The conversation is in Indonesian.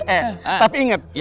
eh tapi inget